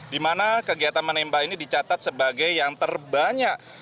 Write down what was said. dimana kegiatan menembak ini dicatat sebagai yang terbanyak